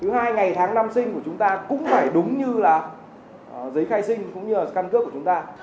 thứ hai ngày tháng năm sinh của chúng ta cũng phải đúng như là giấy khai sinh cũng như là căn cước của chúng ta